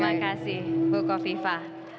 terima kasih bu kofifa